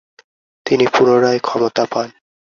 তিনি পুনরায় ক্ষমতা পান।